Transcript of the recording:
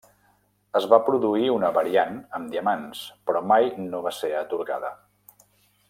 Es va produir una variant amb diamants, però mai no va ser atorgada.